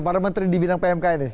para menteri di bidang pmk ini